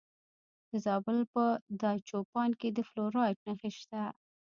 د زابل په دایچوپان کې د فلورایټ نښې شته.